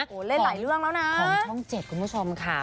โอ้โหเล่นหลายเรื่องแล้วนะของช่อง๗คุณผู้ชมค่ะ